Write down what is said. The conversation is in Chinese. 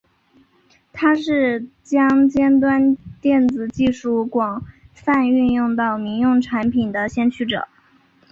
他是将尖端电子技术广泛运用到民用产品的先驱者。